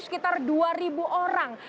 sekitar dua orang